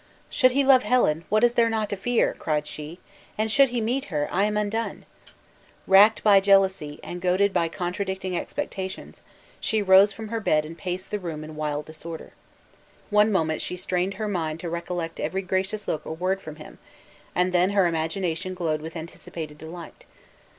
"Should he love Helen, what is there not to fear?" cried she; "and should he meet her, I am undone?" Racked by jealousy, and goaded by contradicting expectations, she rose from her bed and paced the room in wild disorder. One moment she strained her mind to recollect every gracious look or word from him, and then her imagination glowed with anticipated delight.